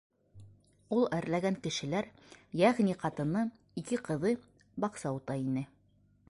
Ул әрләгән кешеләр, йәғни ҡатыны, ике ҡыҙы баҡса утай ине.